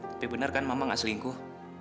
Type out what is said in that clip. tapi benar kan mama gak selingkuh